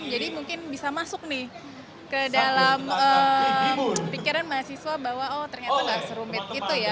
jadi mungkin bisa masuk nih ke dalam pikiran mahasiswa bahwa oh ternyata gak serumit gitu ya